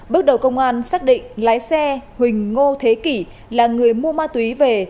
bước đầu công an xác định lái xe huỳnh ngô thế kỷ là người mua ma túy về